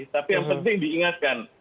tapi yang penting diingatkan